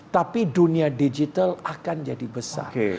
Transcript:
tapi dunia digital akan jadi besar